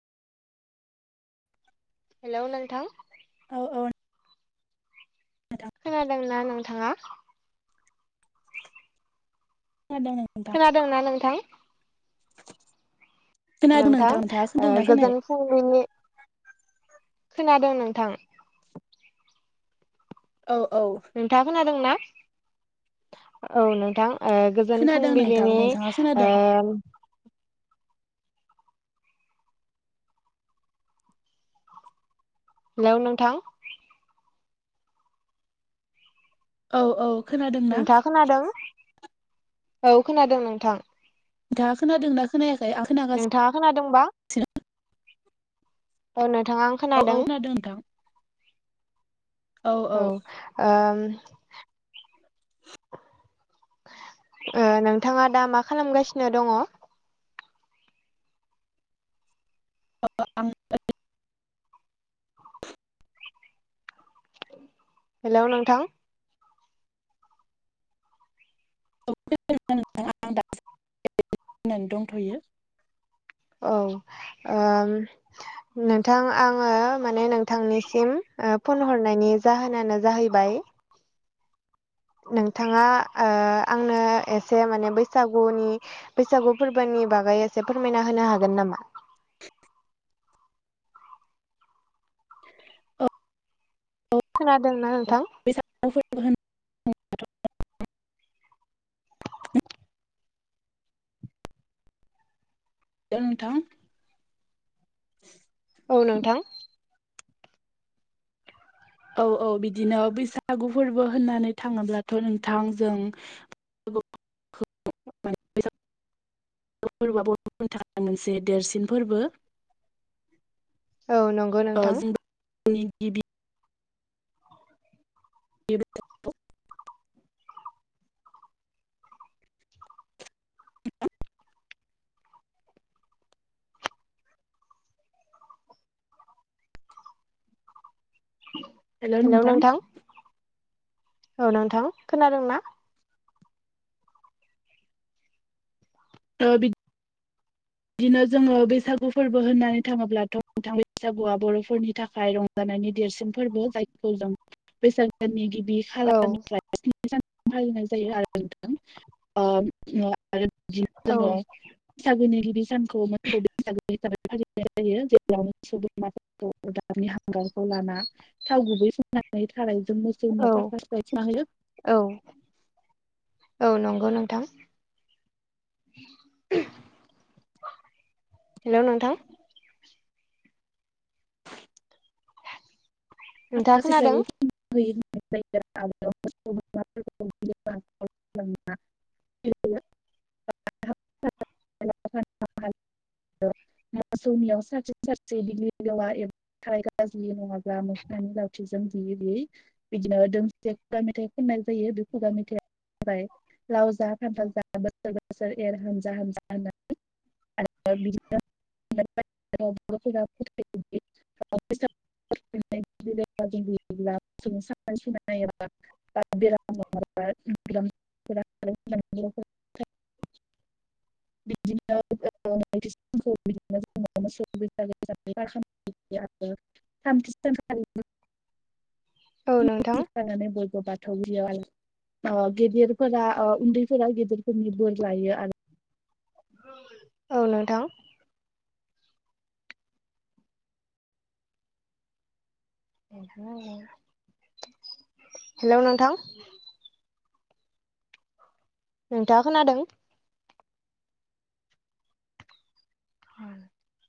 हेल' नोंथां औ औ नोंथां खोनादोंना नोंथाङा? खोनादों नोंथां खोनादोंना नोंथां? खोनादों नोंथांनो [unintelligible] खोन्दोंना खोनायाखै बिनि खोनादों नोंथां औ औ नोंथाङा खोनादों ना औ नोंथां ओ गोजोन खोनादों नोंथां फुंबिलिनि नोंथाङा ओ खोनादों हेलौ नोंथां औ औ खोनादोंना नोंथाङा खोनादों औ खोनादों नोंथां बिथाङा खोनादोंना खोनायाखै आं खोनागासिनो नोंथाङा खोनादोंबा अ नोंथाङा औ औ खोनादों नोंथां औ ओम ओ नोंथाङा दा मा खालामगासिनो दङ'? ओ आंं हेलौ नोंथां! [unintelligible] दंथ'यो। औ ओ नोंथां आङो माने नोंथांनिसिम ओ फन हरनायनि जाहोनानो जाहैबाय नोंथाङा ओ आंनो एसे माने बैसागुनि बैसागु फोरबोनि बागै एसे फोरमायना होनो हागोन नामा? औ। औ खोनादोंना नोंथां? [unintelligible] दों नोंथां। औ नोंथां। औ औ बिदिनो बैसागु फोरबो होननानै थाङोब्लाथ' नोंथां जों [unintelligible] फोरबोआ बुर'फोरनि थाखाय मोनसे देरसिन फोरबो। औ नंगौ ओ नोंथां। जों [unintelligible] गिबि [unintelligible] [inaudible] हेलौ नोंथां। औ नोंथां, खोनादोंना? ओ बिद दिनो जोङो बैसागु फोरबो होननानै थाङोब्लाथ' नोंथां बैसागुआ बर'फोरनि थाखाय रं जानायनि देरसिन फोरबो। जायखौ जों बैसाग दाननि गिबि औ खालारनिफ्राय जों फालिनाय जायो आरो नोंथां ओ ओ आरो बिदिनो औ जोङो बैसागोनि गिबि सानखौ मोसौ बैसागो हिसाबै फा लिनाय जायो। जेब्ला [unintelligible] अरदाबनि हांगारखौ लाना थाव गुबै फुननानै। थाराइजों औ मोसौनियाव सिख्रा सिख्रा थुनानै होयो। औ औ नंगौ नोंथां। हेलौ नोंथां! नोंथाङा खोनादों? [unintelligible] बोरमाफोरखौ [unintelligible] [unintelligible] मोसौनियाव सास्रि सास्रि दिगि लेवा एबा थाराइ गाज्लि नङा लाबोनानै लाावथि जों बुयै बुयै बिदिनो दोंसे खुगा मेथाइ खननाय जायो। बे खुगा मेथाइयानो जाबाय लाव जा, खान्थाल जा, बोसोर बोसोर एर हानजा हामजा होननानै आरो बिदिनो [unintelligible] [unintelligible] [unintelligible] [unintelligible] बिदिनो [unintelligible] मोसौ बैसागो [unintelligible] थामथि सानखालि औ नोंथां। नानै बयबो बाथौ गुदियाव आ ओ गिदिरफोरा ओ उन्दैफोरा गिदिर नि बोर लायो आरो [inaudible] औ नोंथां। [inaudible] हेलौ नोंथां! नोंथाङा खोनादों? [inaudible]